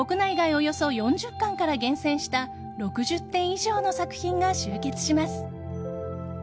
およそ４０館から厳選した６０点以上の作品が集結します。